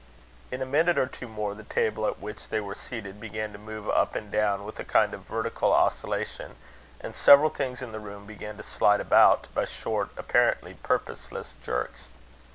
In a minute or two more, the table at which they were seated, began to move up and down with a kind of vertical oscillation, and several things in the room began to slide about, by short, apparently purposeless jerks.